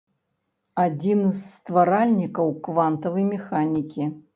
Адзін з стваральнікаў квантавай механікі.